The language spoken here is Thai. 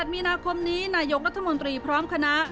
มีนาคมนี้นายกรัฐมนตรีพร้อมคณะ